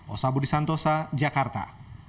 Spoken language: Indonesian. osabudi santosa jakarta